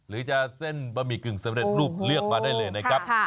หรือจะเส้นบะหมี่กึ่งสำเร็จรูปเลือกมาได้เลยนะครับ